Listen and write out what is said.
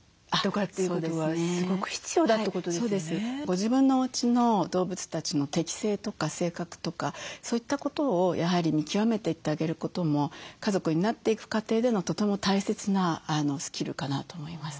自分のおうちの動物たちの適性とか性格とかそういったことをやはり見極めていってあげることも家族になっていく過程でのとても大切なスキルかなと思います。